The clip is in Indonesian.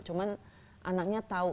cuma anaknya tahu